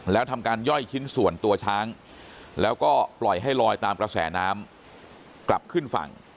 แล้วทำการย่อยชิ้นส่วนตัวช้างแล้วก็ปล่อยให้ลอยตามกระแสน้ำกลับขึ้นฝั่ง